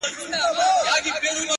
ولي مي هره شېبه’ هر ساعت په غم نیسې’